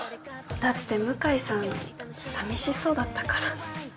だって向井さん寂しそうだったから。